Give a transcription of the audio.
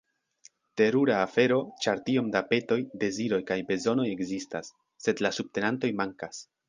Terura afero, ĉar tiom da petoj, deziroj kaj bezonoj ekzistas, sed la subtenantoj mankas.